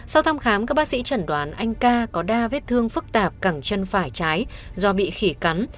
sau thăm khám các bác sĩ chẩn đoán anh ca có đa vết thương phức tạp cẳng chân phải trái do bị khỉ cắn